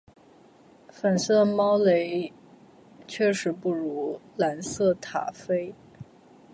粉色猫雷确实不如蓝色塔菲